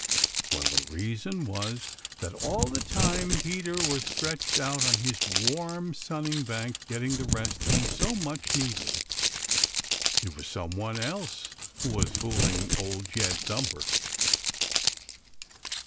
Well, the reason was that all the time Peter was stretched out on his warm sunning bank getting the rest he so much needed. It was some one else who was fooling Old Jed Thumper.